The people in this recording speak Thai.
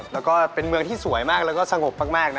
แล้วก็เป็นเมืองที่สวยมากแล้วก็สงบมากนะ